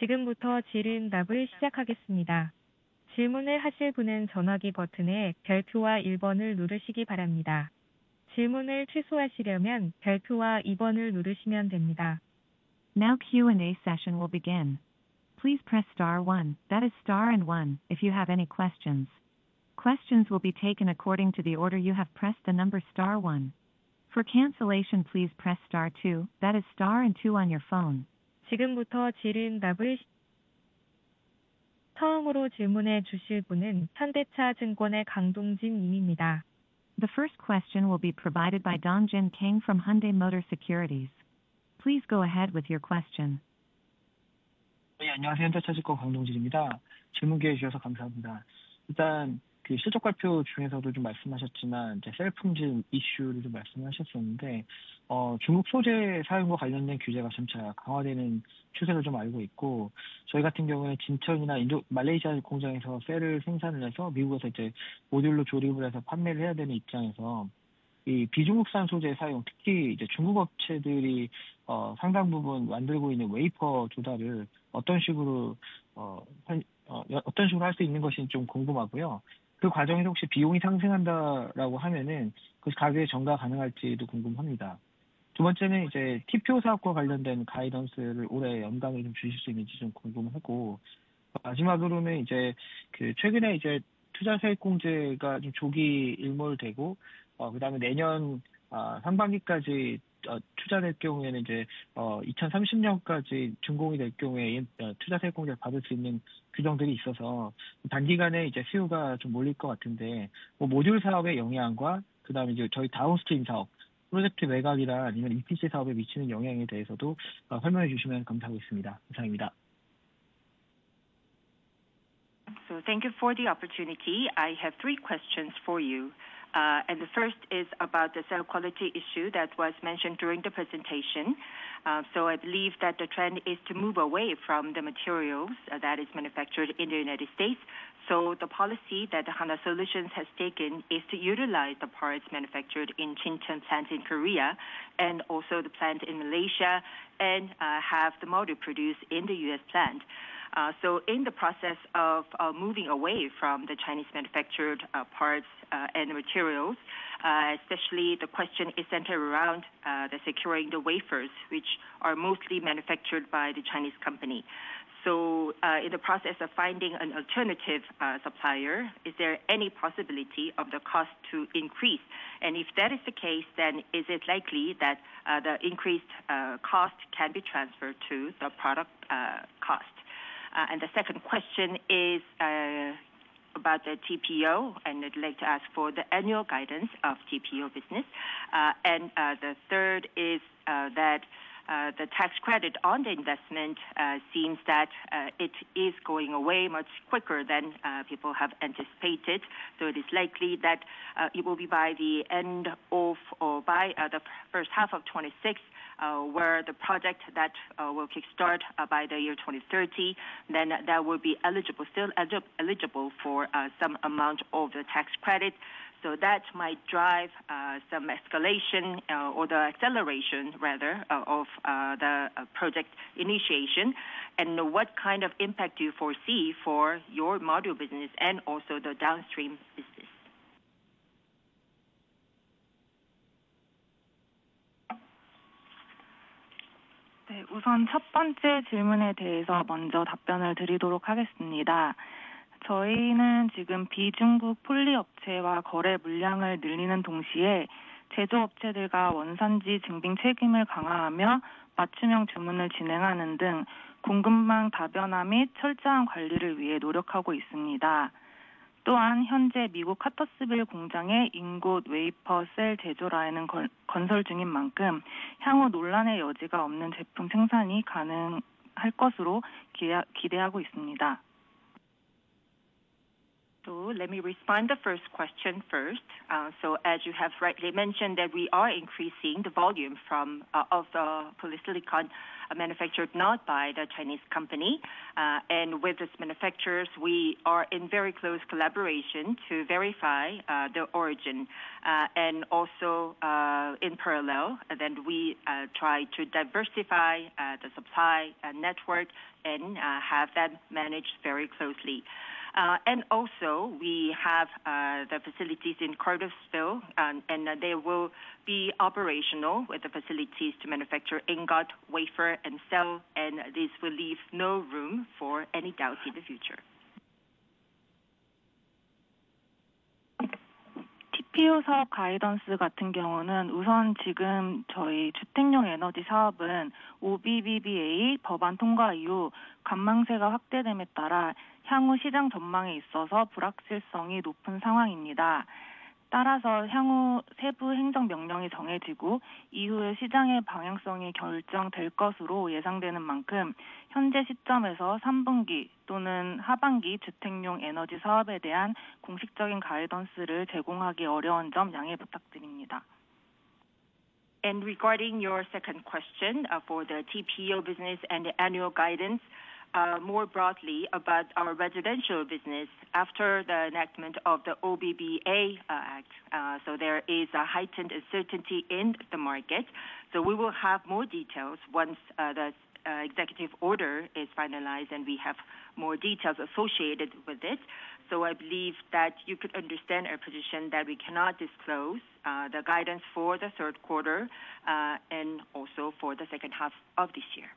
Now Q&A session will begin. Please press star one, that is star and one. If you have any questions, questions will be taken according to the order. You have pressed the number one. For cancellation, please press star two, that is star and two on your phone. The first question will be provided by Dong-Jin Kang from Hyundai Motor Securities. Please go ahead with your question. Thank you for the opportunity. I have three questions for you and the first is about the cell quality issue that was mentioned during the presentation. I believe that the trend is to move away from the materials that are manufactured in the United States. The policy that Hanwha Solutions has taken is to utilize the parts manufactured in plants in Korea and also the plant in Malaysia and have the module produced in the U.S. plant. In the process of moving away from the Chinese manufactured parts and materials, especially the question is centered around securing the wafers which are mostly manufactured by the Chinese company. In the process of finding an alternative supplier, is there any possibility of the cost to increase? If that is the case, then is it likely that the increased cost can be transferred to the product cost? The second question is about the TPO and I'd like to ask for the annual guidance of the TPO business. The third is that the tax credit on the investment seems that it is going away much quicker than people have anticipated. It is likely that it will be by the end of or by 1H26 where the project that will kick start by the year 2030, then that will be eligible, still eligible for some amount of the tax credit. That might drive some escalation or the acceleration rather of the project initiation. What kind of impact do you foresee for your module business and also the downstream business? Let me respond to the first question first. As you have rightly mentioned, we are increasing the volume from also polysilicon manufactured not by the Chinese company and with these manufacturers we are in very close collaboration to verify the origin. In parallel, we try to diversify the supply network and have them managed very closely. We have the facilities in Cartersville, Georgia and they will be operational with the facilities to manufacture ingot, wafer and cell. This will leave no room for any doubt in the future. Regarding your second question for the TPO business and annual guidance more broadly about our residential business after the enactment of the OBBBA Act, there is a heightened uncertainty in the market. We will have more details once the executive order is finalized and we have more details associated with it. I believe that you could understand our position that we cannot disclose the guidance for the third quarter and also for the second half of this year.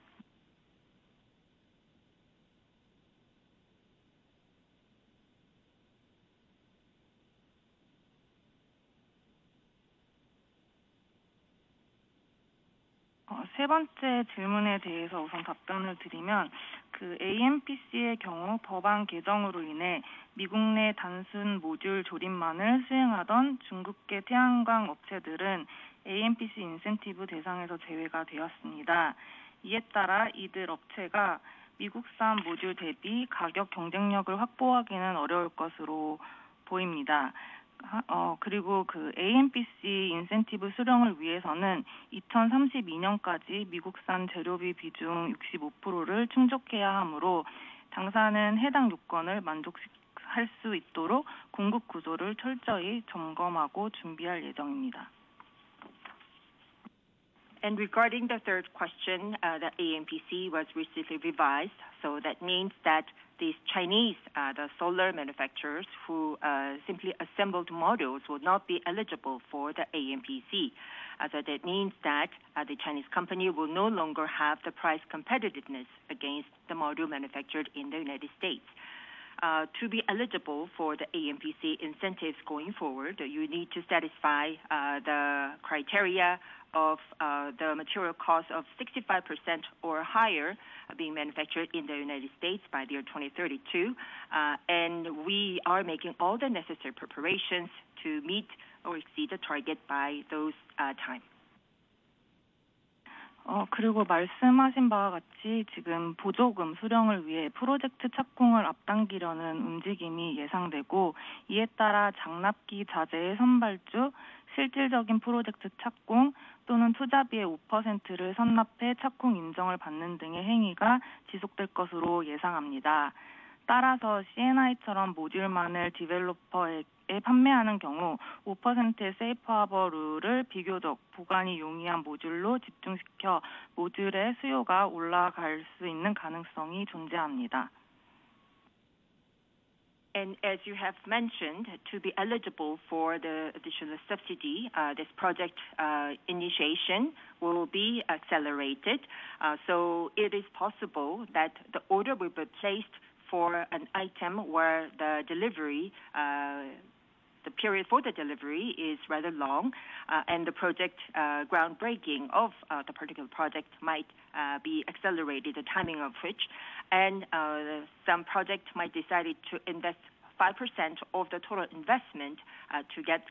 Regarding the third question, the AMPC was recently revised. That means that these Chinese, the solar manufacturers who simply assembled modules, will not be eligible for the AMPC. That means that the Chinese company will no longer have the price competitiveness against the module manufactured in the United States. To be eligible for the AMPC incentives going forward, you need to satisfy the criteria of the material cost of 65% or higher being manufactured in the United States by the year 2032. We are making all the necessary preparations to meet or exceed the target by those time. As you have mentioned, to be eligible for the additional subsidy, this project initiation will be accelerated. It is possible that the order will be placed for an item where the period for the delivery is rather long and the project groundbreaking of the particular project might be accelerated, the timing of which and some project might decide to invest 5% of the total investment to get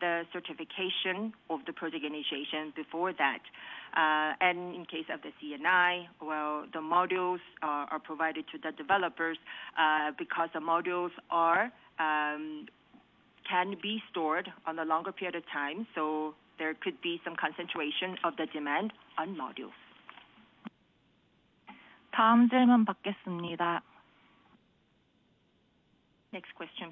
the certification of the project initiation before that. In case of the CNI, the modules are provided to the developers because the modules can be stored for a longer period of time. There could be some concentration of the demand on modules. Next question please.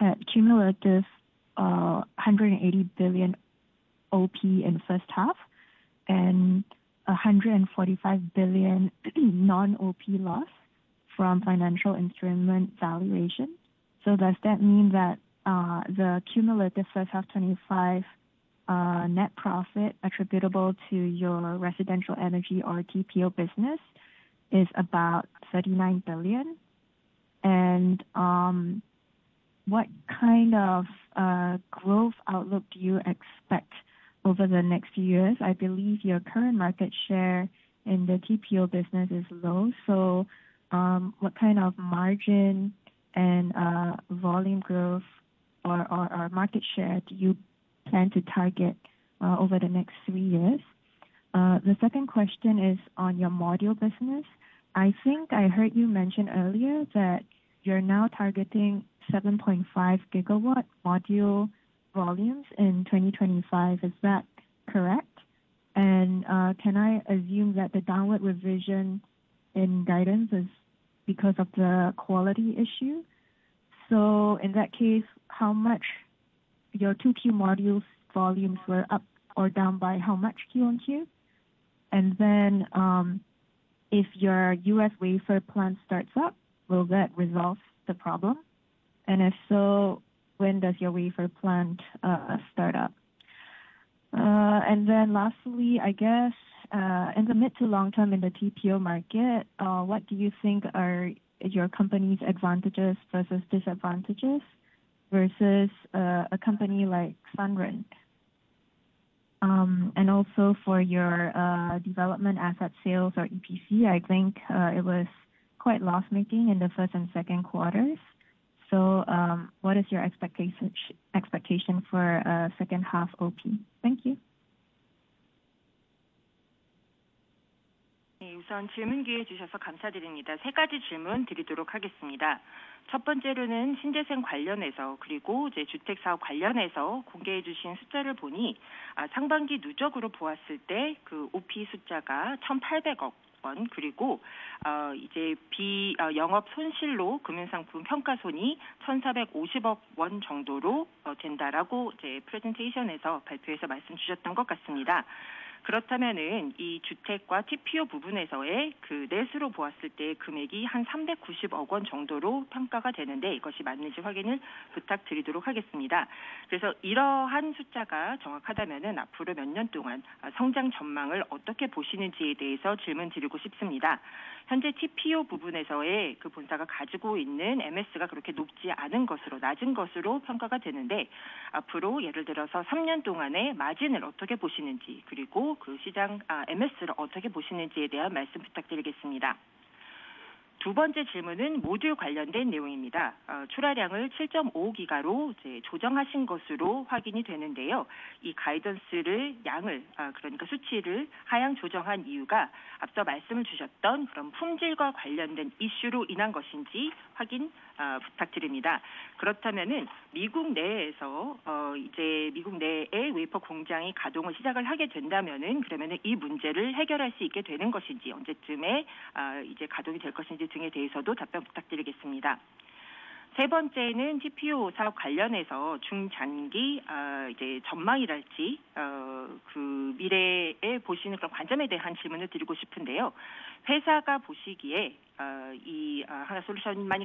The following question will be presented by Parsley Ong from JPMorgan. Please go ahead with your question. Thank you for the chance to ask questions. My first question is I think you mentioned earlier that the renewable energy residential energy business had cumulative KRW 180 billion Op in first half and KRW 145 billion non-op loss from financial instrument valuation. Does that mean that the cumulative first half 2025 net profit attributable to your residential energy or TPO business is about 39 billion? What kind of growth outlook do you expect over the next few years? I believe your current market share in the TPO business is low. What kind of margin and volume growth or market share do you plan to target over the next three years? The second question is on your module business. I think I heard you mention earlier that you're now targeting 7.5 GW module volumes in 2025, is that correct? Can I assume that the downward revision in guidance is because of the quality issue? In that case, how much your 2Q module volumes were up or down by how much Q-on-Q? If your U.S. wafer plant starts up, will that resolve the problem? If so, when does your wafer plant start up? Lastly, in the mid to long term in the TPO market, what do you think are your company's advantages versus disadvantages versus a company like Sunrun? Also, for your development, asset sales or EPC, I think it was quite loss making in the first and second quarters. What is your expectation for second half opinion?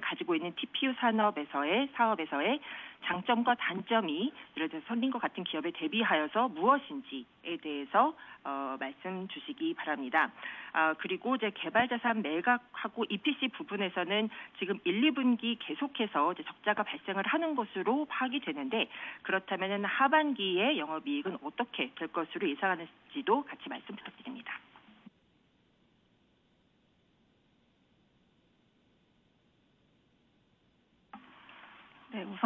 Thank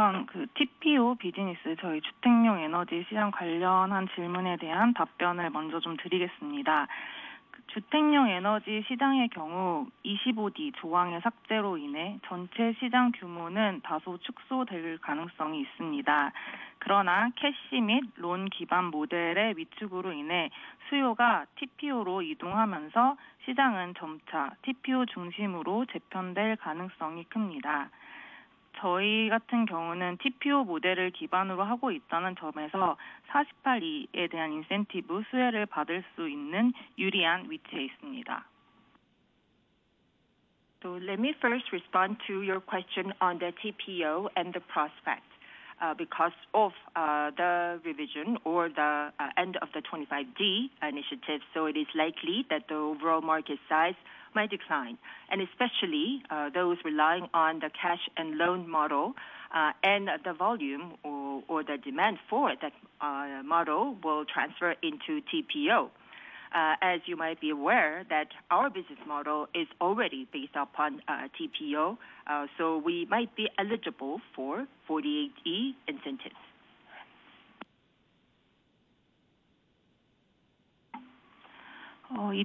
you. Let me first respond to your question on the residential energy (TPO) segment and the prospect because of the revision or the end of the 25D initiative. It is likely that the overall market size might decline, especially those relying on the cash and loan model, and the volume or the demand for that model will transfer into TPO. As you might be aware, our business model is already based upon TPO, so we might be eligible for 48E incentives. In the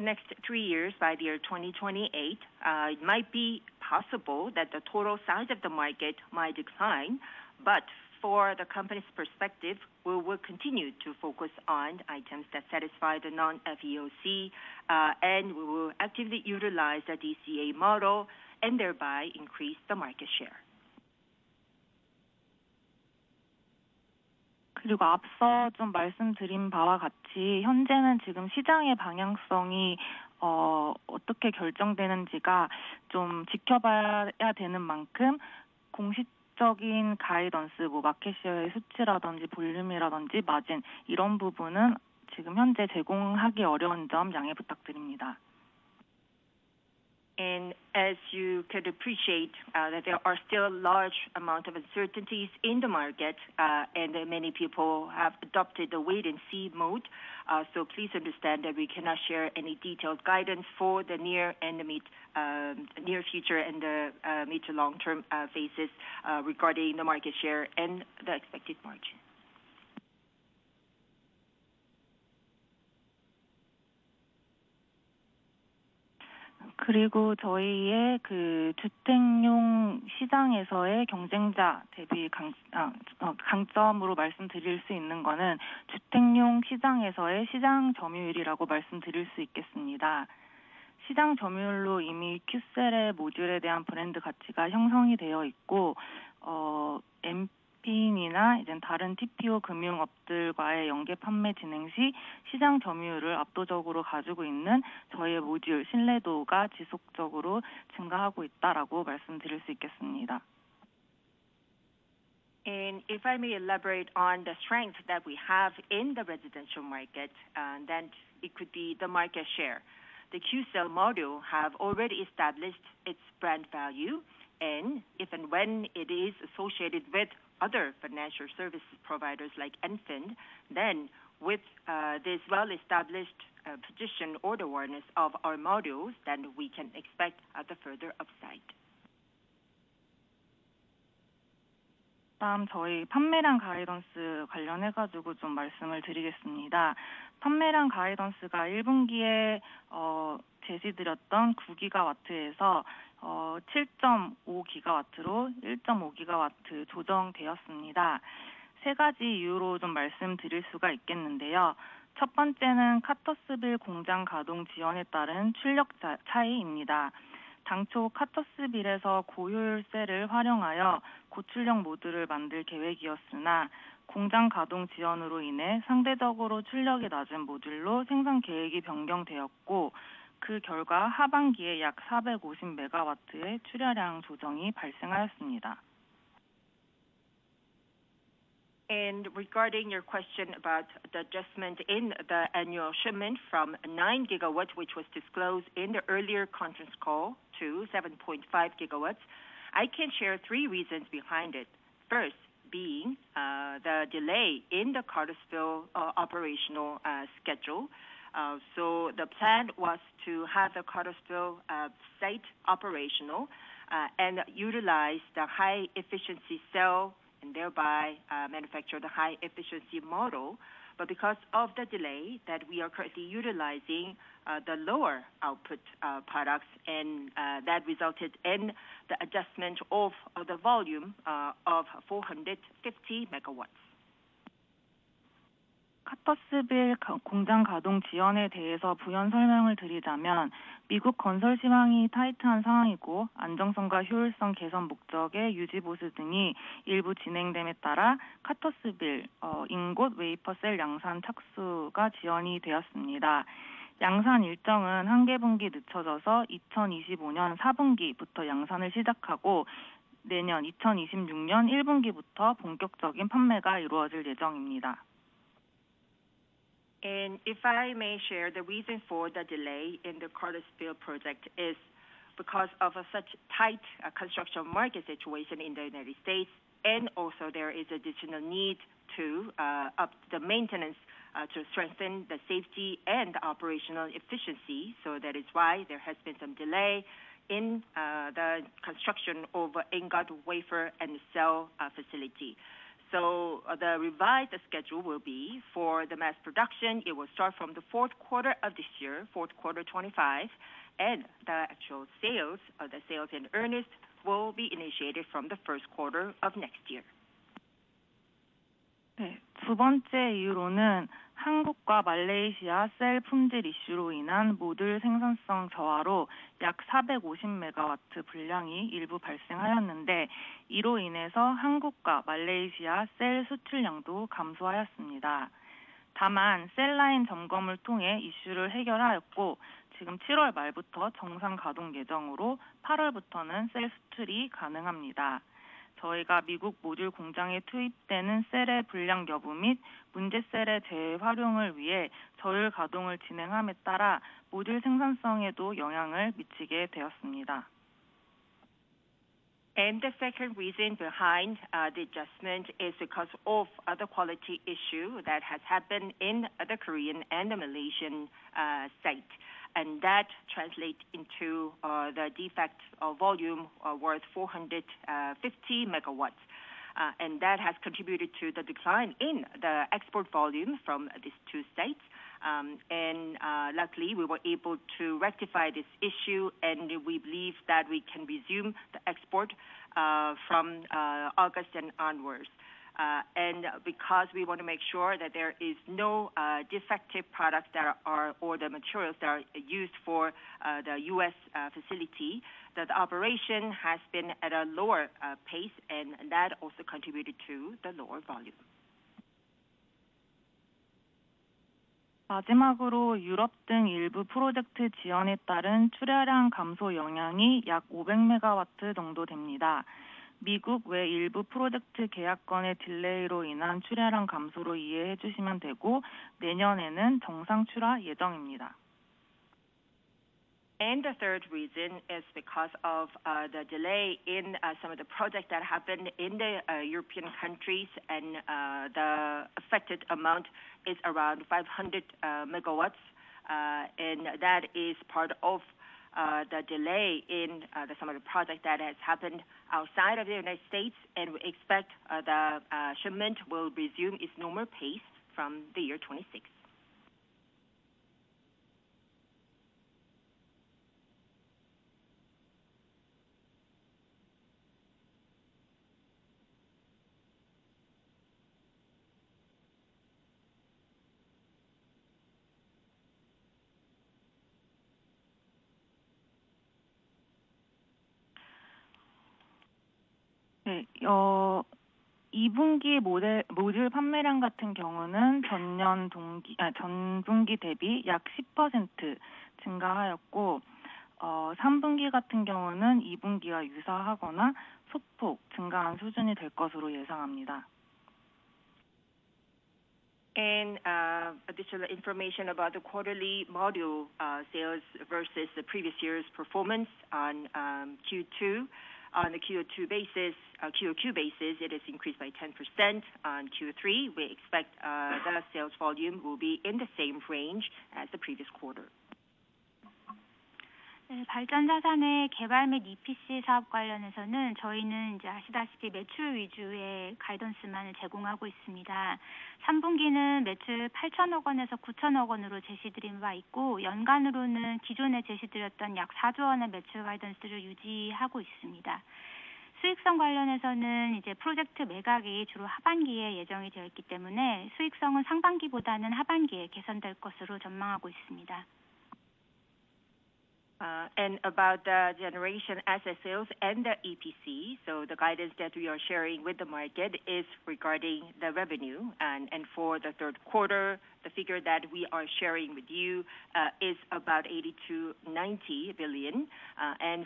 next three years, by the year 2028, it might be possible that the total size of the market might decline. From the company's perspective, we will continue to focus on items that satisfy the non FEOC, and we will actively utilize the DCA model and thereby increase the market share. As you could appreciate, there are still large amounts of uncertainties in the market and many people have adopted the wait and see mode. Please understand that we cannot share any detailed guidance for the near future and mid to long term basis regarding the market share and the expected margin. If I may elaborate on the strength that we have in the residential market, then it could be the market share. The Qcells model has already established its brand value, and if and when it is associated with other financial services providers like Enfin, then with this well-established position and order awareness of our modules, we can expect further upside. Regarding your question about the adjustment in the annual shipment from 9 gigawatts, which was disclosed in the earlier conference call, to 7.5 GW, I can share three reasons behind it. First is the delay in the Cartersville, Georgia operational schedule. The plan was to have the Cartersville site operational and utilize the high efficiency cell and thereby manufacture high efficiency models. Because of the delay, we are currently utilizing the lower output products and that resulted in the adjustment of the volume of 450 MW. If I may share, the reason for the delay in the Cartersville project is because of such tight construction market situation in the United States and also there is additional need to increase the maintenance to strengthen the safety and operational efficiency. That is why there has been some delay in the construction of ingot, wafer, and cell facility. The revised schedule will be for the mass production. It will start from the fourth quarter of this year, fourth quarter 2025, and the actual sales in earnest will be initiated from the first quarter of next year. The second reason behind the adjustment is because of the quality issue that has happened in the Korea and the Malaysia state, and that translates into the defect of volume worth 450 MW. That has contributed to the decline in the export volume from these two states. Luckily, we were able to rectify this issue, and we believe that we can resume the export from August and onwards. Because we want to make sure that there are no defective products or materials that are used for the U.S. facility, that operation has been at a lower pace, and that also contributed to the lower volume. The third reason is because of the delay in some of the projects that happened in the European countries, and the affected amount is around 500 MW. That is part of the delay in some of the projects that has happened outside of the United States. We expect the shipment will resume its normal pace from the year 2026. Additional information about the quarterly module sales versus the previous year's performance, on Q2 on a Q2 basis, Q-o-Q basis, it has increased by 10%. On Q3, we expect the sales volume will be in the same range as the previous quarter. About the generation asset sales and the EPC, the guidance that we are sharing with the market is regarding the revenue, and for the third quarter, the figure that we are sharing with you is about 80 billion-90 billion.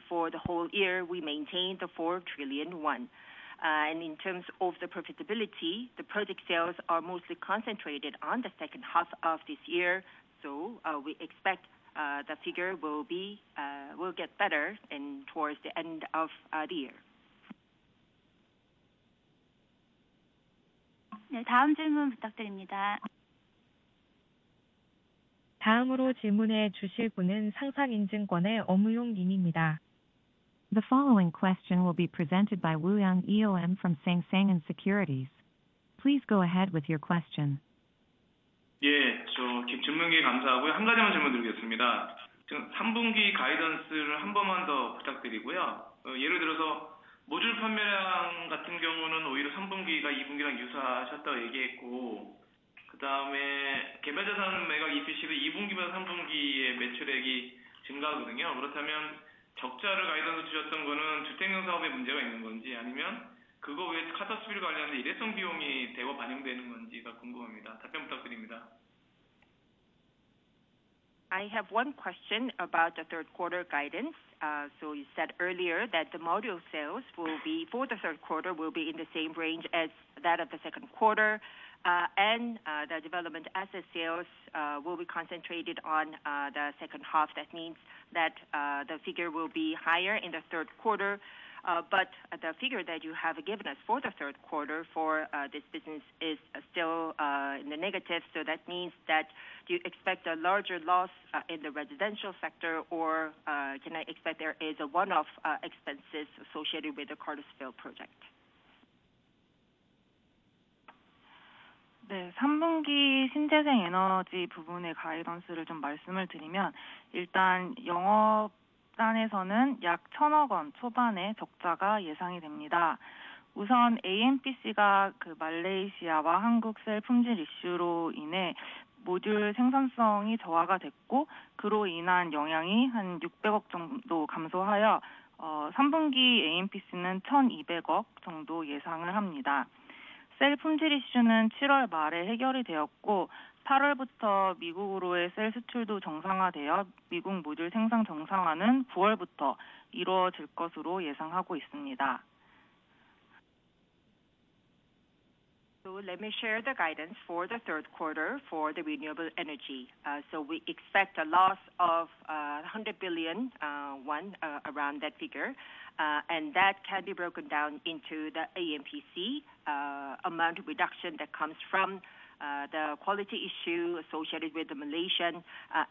For the whole year, we maintained the 4 trillion. In terms of the profitability, the project sales are mostly concentrated on the second half of this year. We expect the figure will get better towards the end of the year. The following question will be presented by Woo Young Eom from Sang Sang Securities. Please go ahead with your question. I have one question about the third quarter guidance. You said earlier that the module sales for the third quarter will be in the same range as that of the second quarter and the development asset sales will be concentrated on the second half. That means that the figure will be higher in the third quarter. The figure that you have given us for the third quarter for this business is still in the negative. That means that do you expect a larger loss in the residential sector or can I expect there is a one-off expense associated with the Cartersville, Georgia project? Let me share the guidance for the third quarter for the renewable energy. We expect a loss of 100 billion won, around that figure, and that can be broken down into the Advanced Manufacturing Production Credit (AMPC) amount of reduction that comes from the quality issue associated with the Malaysia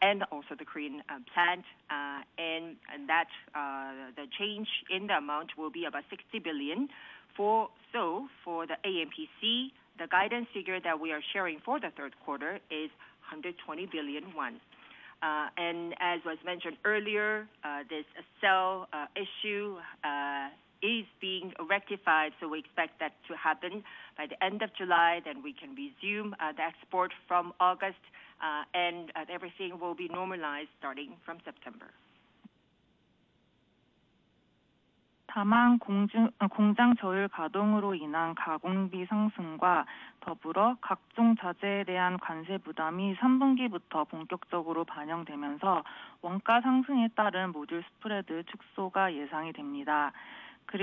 and also the Korea plant, and the change in the amount will be about 60 billion. For the AMPC, the guidance figure that we are sharing for the third quarter is 120 billion won. As was mentioned earlier, this cell issue is being rectified. We expect that to happen by the end of July. We can resume the export from August and everything will be normalized starting from September. Additionally, because of this lower utilization of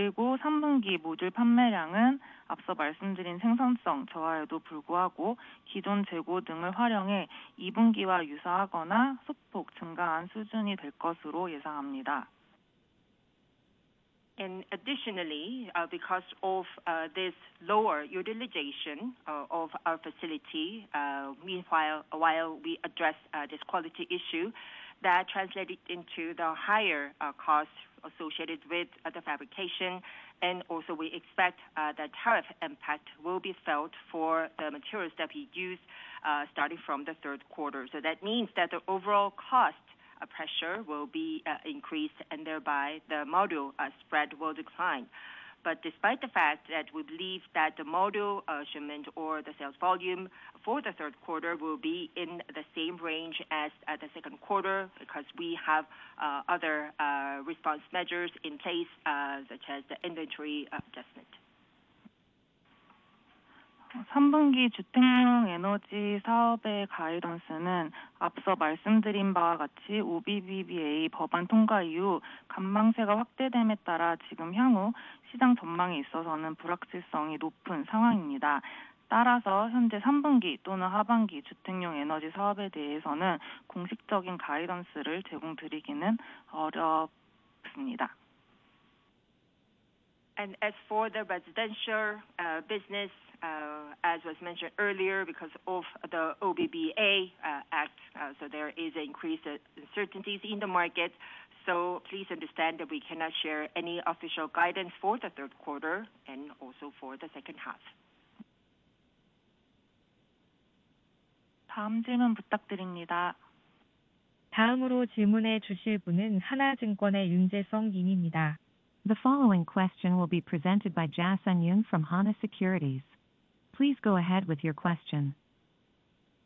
our facility while we address this quality issue, that translated into the higher cost associated with the fabrication and also we expect that tariff impact will be felt for the materials that we use starting from the third quarter. That means that the overall cost pressure will be increased and thereby the module spread will decline. Despite the fact that we believe that the module shipment or the sales volume for the third quarter will be in the same range as the second quarter, we have other response measures in place such as the inventory adjustment. As for the residential business, as was mentioned earlier, because of the OBBBA Act, there is increased uncertainty in the market. Please understand that we cannot share any official guidance for the third quarter and also for the second half. The following question will be presented by Jae-Sung Yoon from Hana Securities. Please go ahead with your question.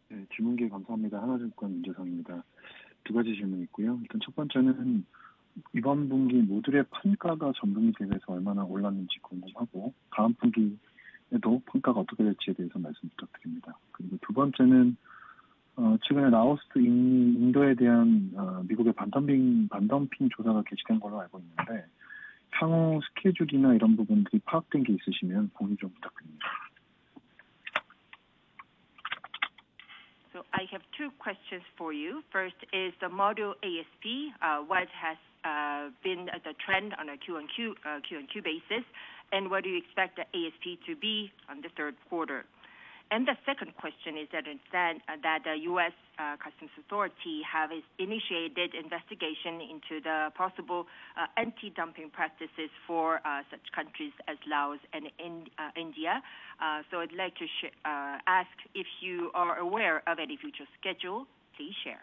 I have two questions for you. First, is the model ASP, what has been the trend on a Q-on-Q basis? What do you expect the ASP to be in the third quarter? The second question is, I understand that the U.S. customs authority has initiated investigation into the possible anti-dumping practices for such countries as Laos and India. I'd like to ask if you are aware of any future schedule, please share.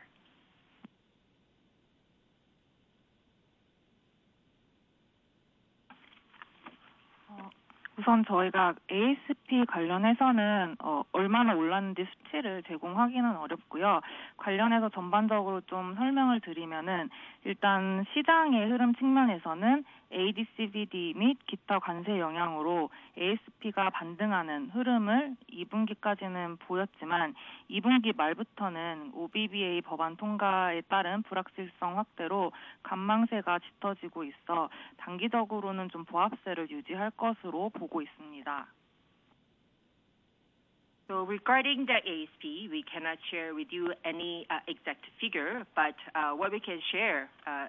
Regarding the ASP, we cannot share with you any exact figure, but what we can share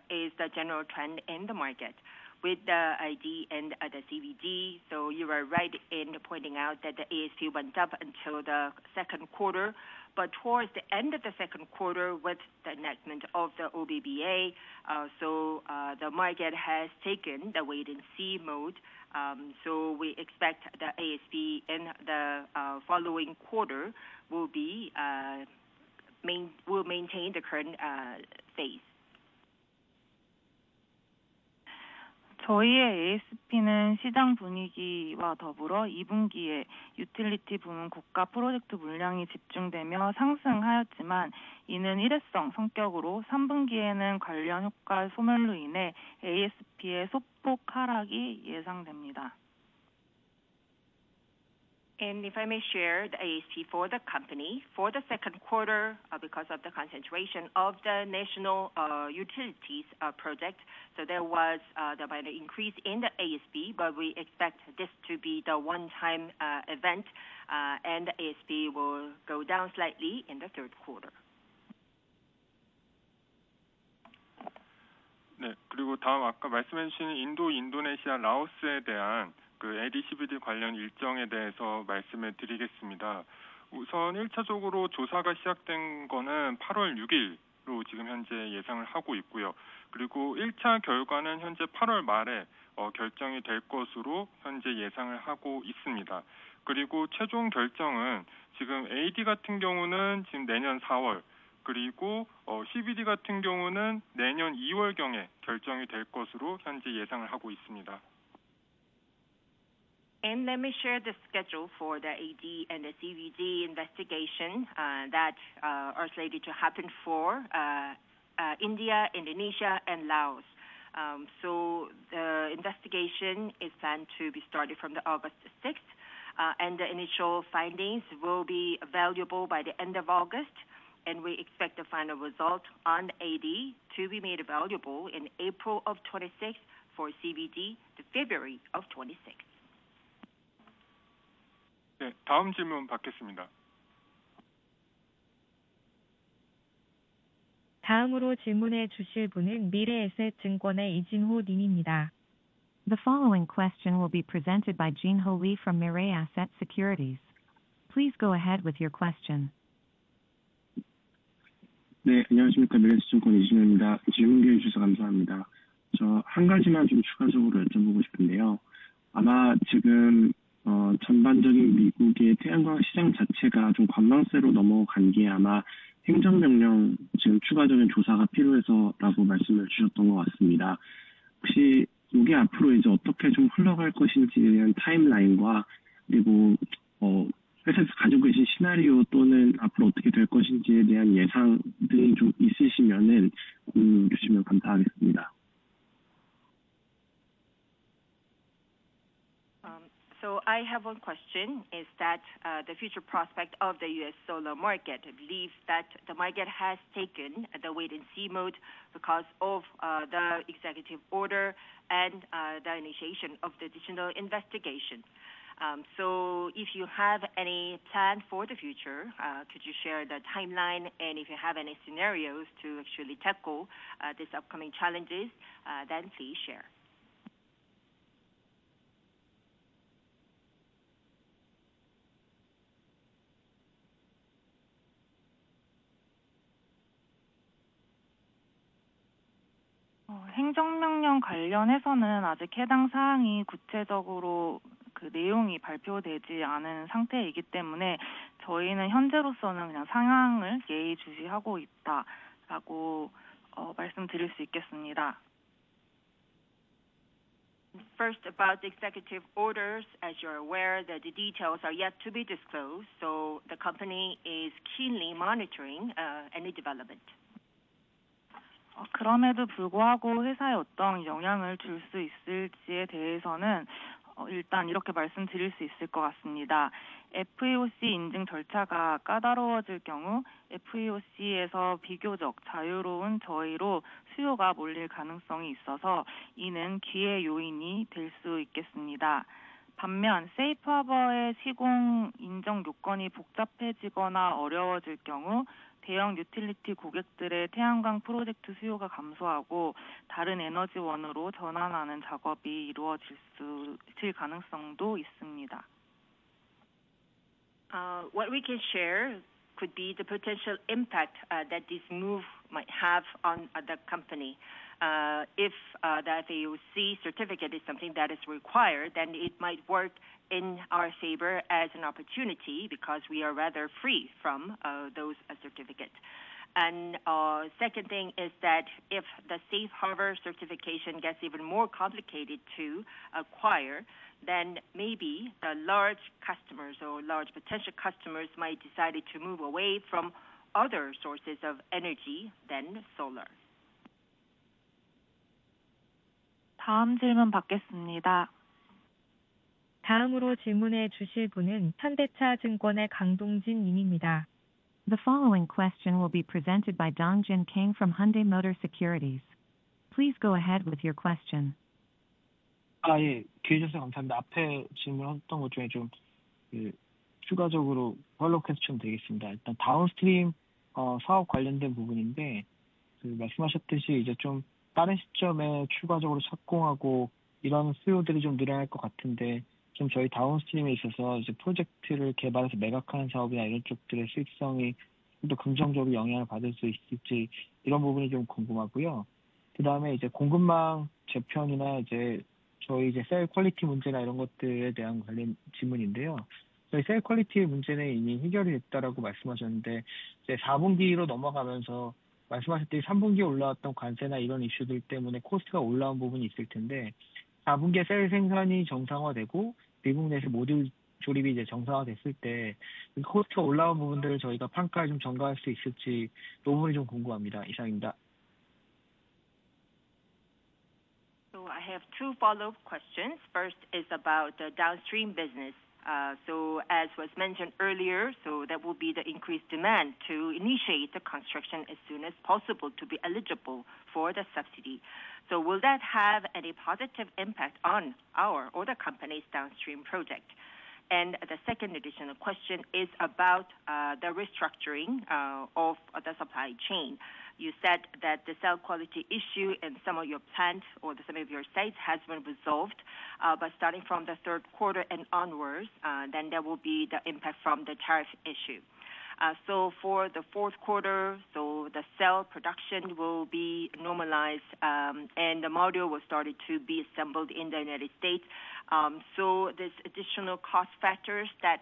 is the general trend in the market with the AD and the CVD. You are right in pointing out that the ASP went up until the second quarter, but towards the end of the second quarter with the enactment of the OBBBA, the market has taken the wait and see mode. We expect the ASP in the following quarter will maintain the current phase. If I may share, the ASP for the company for the second quarter, because of the concentration of the national utilities project, there was an increase in the ASP. We expect this to be a one-time event and ASP will go down slightly in the third quarter. Let me share the schedule for the AD and the CVD investigation that are slated to happen for India, Indonesia, and Laos. The investigation is set to be started from August 6th and the initial findings will be available by the end of August. We expect the final result on AD to be made available in April 2026, for CVD to February 2026. The following question will be presented by Jinho Lee from Mirae Asset Securities. Please go ahead with your question. I have one question. The future prospect of the U.S. solar market, I believe that the market has taken the wait and see mode because of the executive order and the initiation of the digital investigation. If you have any plan for the future, could you share the timeline? If you have any scenarios to actually tackle these upcoming challenges, then please share first about executive orders. As you're aware, the details are yet to be disclosed, so the company is keenly monitoring any development. What we can share could be the potential impact that this move might have on the company. If the FEOC certificate is something that is required, then it might work in our favor as an opportunity because we are rather free from those certificates. The second thing is that if the Safe Harbor certification gets even more complicated to acquire, then maybe the large customers or large potential customers might decide to move away from other sources of energy than solar. The following question will be presented by Dong-Jin Kang from Hyundai Motor Securities. Please go ahead with your question. I have two follow up questions. The first is about the downstream business. As was mentioned earlier, there will be the increased demand to initiate the construction as soon as possible to be eligible for the subsidy. Will that have any positive impact on our or the company's downstream project? The second question is about the restructuring of the supply chain. You said that the cell quality issue in some of your plant or some of your sites has been resolved. Starting from the third quarter and onwards, there will be the impact from the tariff issue. For the fourth quarter, the cell production will be normalized and the module will start to be assembled in the United States. This additional cost factor that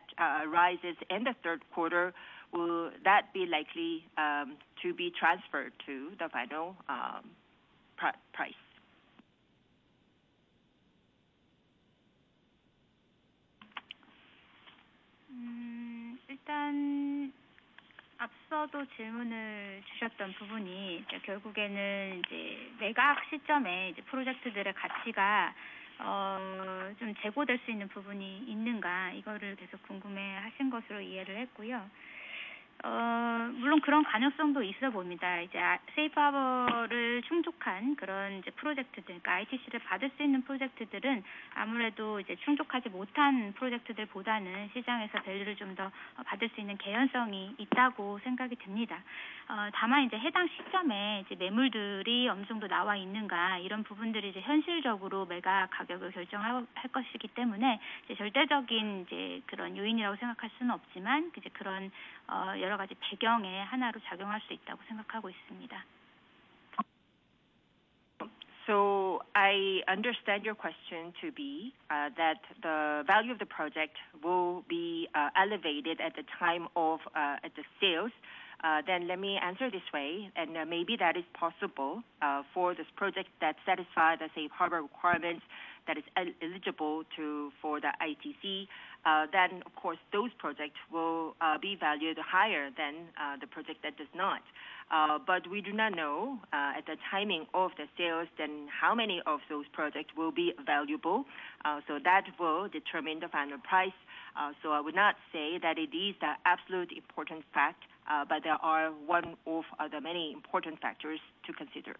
rises in the third quarter, will that be likely to be transferred to the final price? I understand your question to be that the value of the project will be elevated at the time of the sales. Let me answer this way. Maybe that is possible for this project that satisfies the Safe harbor requirements. That is eligible for the ITC, then of course those projects will be valued higher than the project that does not. We do not know at the timing of the sales how many of those projects will be valuable. That will determine the final price. I would not say that it is the absolute important fact, but it is one of the many important factors to consider.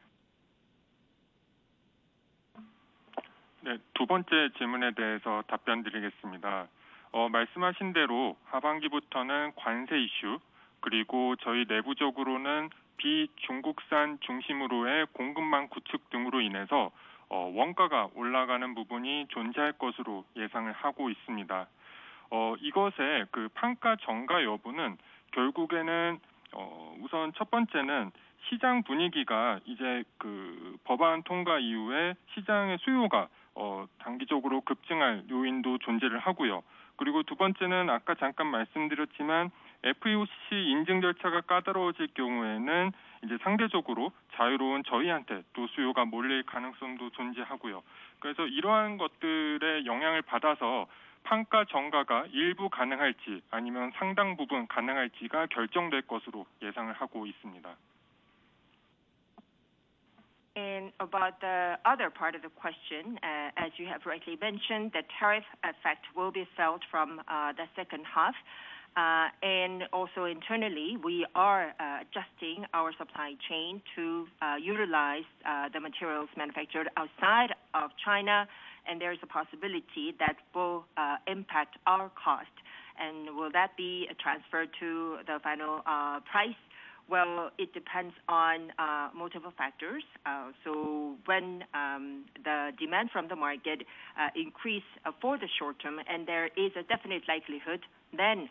About the other part of the question, as you have rightly mentioned, the tariff effect will be felt from the second half. Also, internally we are adjusting our supply chain to utilize the materials manufactured outside of China. There is a possibility that will impact our cost. Will that be transferred to the final price? It depends on multiple factors. When the demand from the market increases for the short term and there is a definite likelihood, then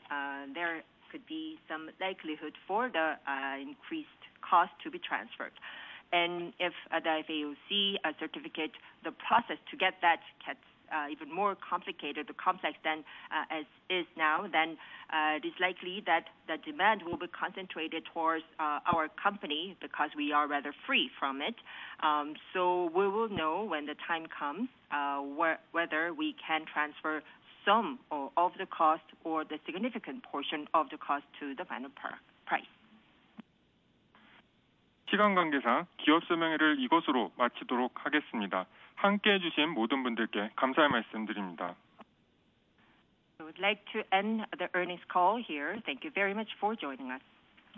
there could be some likelihood for the increased cost to be transferred. If the FEOC certificate process to get that gets even more complicated than it is now, it is likely that the demand will be concentrated towards our company because we are rather free from it. We will know when the time comes whether we can transfer some of the cost or a significant portion of the cost to the final price. I would like to end the earnings call here. Thank you very much for joining us.